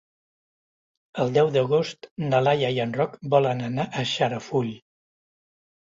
El deu d'agost na Laia i en Roc volen anar a Xarafull.